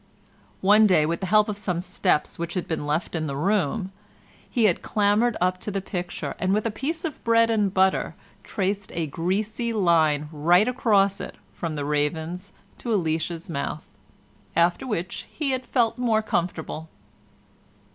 One day, with the help of some steps which had been left in the room, he had clambered up to the picture and with a piece of bread and butter traced a greasy line right across it from the ravens to Elisha's mouth, after which he had felt more comfortable.